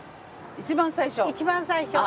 一番最初。